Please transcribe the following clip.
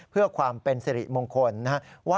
เพื่อความเป็นสิริมงคลนะครับ